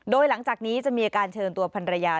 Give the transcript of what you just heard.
โดยหลังจากนี้จะมีอาการเชิญตัวพันรยา